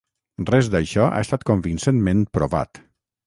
Res d'això ha estat convincentment provat.